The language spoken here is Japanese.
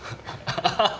ハハハハ！